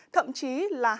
thậm chí là hàng trăm